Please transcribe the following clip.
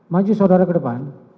maju saudara ke depan